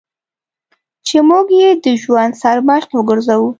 چې موږ یې د ژوند سرمشق وګرځوو.